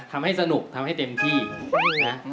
ทำให้สนุกทำให้เต็มที่นะ